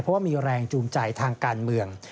เพราะว่ามีแรงจูงใจทางการเมือง